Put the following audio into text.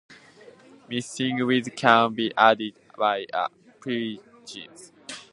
Missing widgets can be added via plugins.